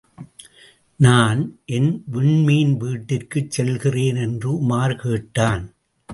நான் என் விண்மீன் வீட்டிற்குச் செல்கிறேன் என்று உமார் கேட்டான்.